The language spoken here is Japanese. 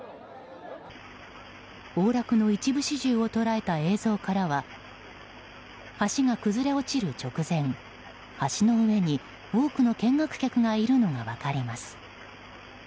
崩落の一部始終を捉えた映像からは橋が崩れ落ちる直前、橋の上に多くの見学客がいるのが分かります。